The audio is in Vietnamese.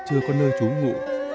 chưa có nơi trú ngủ